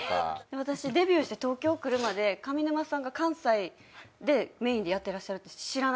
私デビューして東京来るまで上沼さんが関西でメインでやってらっしゃるって知らなかったんですよ。